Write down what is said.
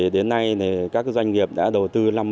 đến nay các doanh nghiệp đã đầu tư năm mươi